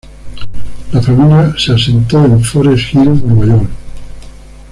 La familia se asentó en Forest Hills, Nueva York.